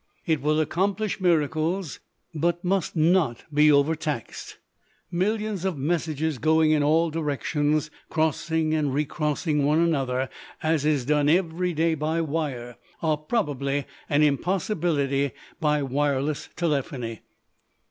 It will accomplish miracles, but must not be overtaxed. Millions of messages going in all directions, crossing and recrossing one another, as is done every day by wire, are probably an impossibility by wireless telephony.